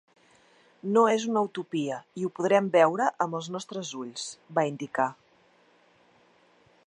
“No és una utopia i ho podrem veure amb els nostres ulls”, va indicar.